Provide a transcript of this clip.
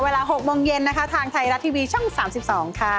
เวลา๖โมงเย็นนะคะทางไทยรัฐทีวีช่อง๓๒ค่ะ